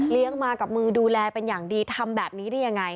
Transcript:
มากับมือดูแลเป็นอย่างดีทำแบบนี้ได้ยังไง